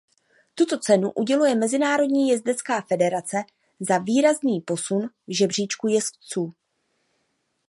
Tuto cenu uděluje mezinárodní jezdecká federace za výrazný posun v žebříčku jezdců.